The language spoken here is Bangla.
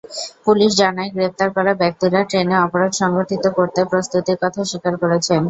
পুলিশ জানায়, গ্রেপ্তার করা ব্যক্তিরা ট্রেনে অপরাধ সংঘটিত করতে প্রস্তুতির কথা স্বীকার করেছেন।